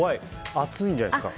熱いんじゃないですか。